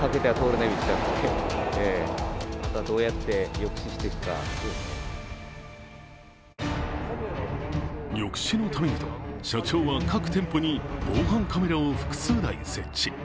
抑止のためにと社長は各店舗に防犯カメラを複数台設置。